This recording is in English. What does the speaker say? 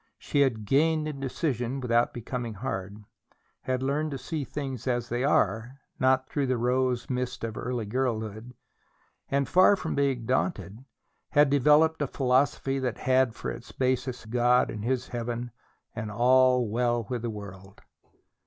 She had gained in decision without becoming hard; had learned to see things as they are, not through the rose mist of early girlhood; and, far from being daunted, had developed a philosophy that had for its basis God in His heaven and all well with the world.